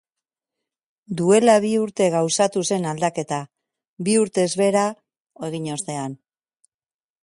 Duela bi urte gauzatu zen aldaketa, bi urtez behera egin ostean.